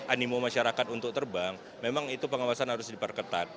animo masyarakat untuk terbang memang itu pengawasan harus diperketat